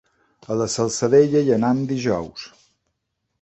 A la Salzadella hi anem dijous.